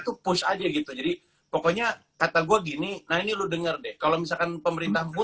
tuh push aja gitu jadi pokoknya kata gue gini nah ini lu denger deh kalau misalkan pemerintah